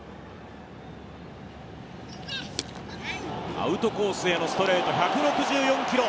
アウトコースへのストレート１６４キロ